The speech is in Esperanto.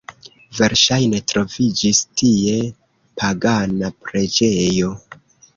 Verŝajne troviĝis tie pagana preĝejo.